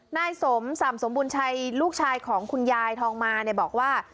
นายสมส่ำสมบูรณชัยลูกชายของคุณยายทองมาเนี่ยบอกว่า